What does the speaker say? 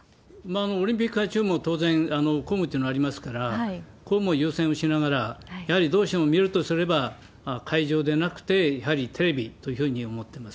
オリンピック会中も、当然公務というのがありますから、公務を優先をしながら、やはりどうしても見るとすれば、会場でなくて、やはりテレビというふうに思ってます。